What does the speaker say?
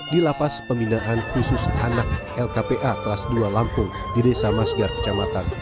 di lapas pembinaan khusus anak lkpa kelas dua lampung di desa masgar kecamatan